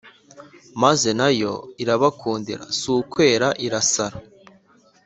maze na yo irabakundira si ukwera irasara